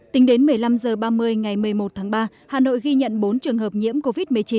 tính đến một mươi năm h ba mươi ngày một mươi một tháng ba hà nội ghi nhận bốn trường hợp nhiễm covid một mươi chín